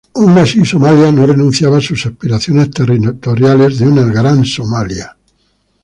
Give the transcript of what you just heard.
Aun así, Somalia no renunciaba a su aspiraciones territoriales de una Gran Somalia.